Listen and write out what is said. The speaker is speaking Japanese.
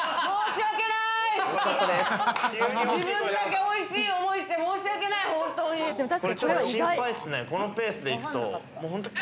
自分だけ、おいしい思いして、申しわけない本当に！